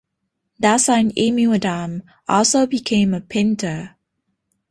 Their son Emil Adam also became a painter.